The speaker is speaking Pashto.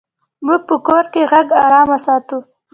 موږ په کور کې غږ آرام ساتو.